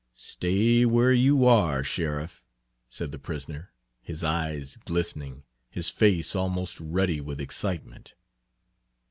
"Stay where you are, Sheriff," said the prisoner, his eyes glistening, his face almost ruddy with excitement.